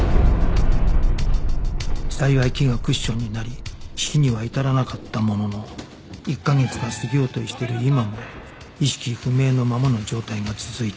「幸い木がクッションになり死には至らなかったものの１カ月が過ぎようとしている今も意識不明のままの状態が続いている」